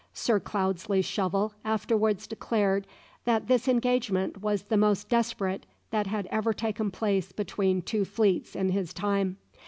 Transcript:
Sir Cloudesley Shovel afterwards declared that this engagement was the most desperate that had ever taken place between two fleets in his time.